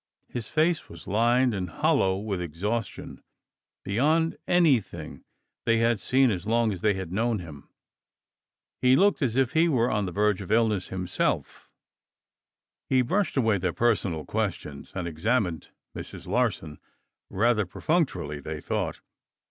His face was lined and hollow with exhaustion, beyond anything they had seen as long as they had known him. He looked as if he were on the verge of illness himself. He brushed away their personal questions and examined Mrs. Larsen, rather perfunctorily, they thought.